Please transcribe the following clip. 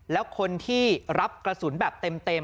แล้วคนที่รับกระสุนแบบเต็ม